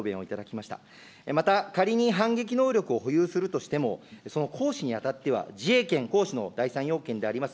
また、仮に反撃能力を保有するとしても、その行使にあたっては自衛権行使の第３要件であります